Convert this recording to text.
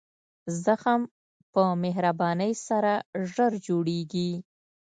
زخم په مهربانۍ سره ژر جوړېږي.